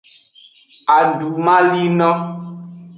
Adumalino.